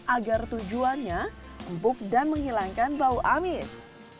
agar tujuannya empuk dan menghilangkan bau amis